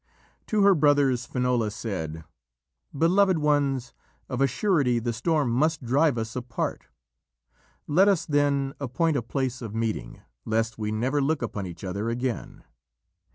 To her brothers Finola said: "Beloved ones, of a surety the storm must drive us apart. Let us, then, appoint a place of meeting, lest we never look upon each other again."